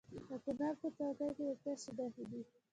د کونړ په څوکۍ کې د څه شي نښې دي؟